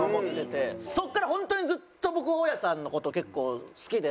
そこからホントにずっと僕大家さんの事結構好きで。